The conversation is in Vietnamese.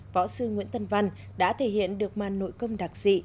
võ sư nguyễn tân văn đã thể hiện được màn nội công đặc dị